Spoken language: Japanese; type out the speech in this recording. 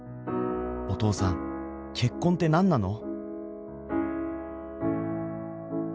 お父さん結婚って何なの？